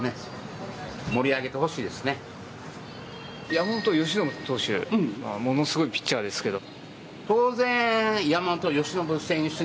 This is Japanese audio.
山本由伸選手はものすごいピッチャーですけど。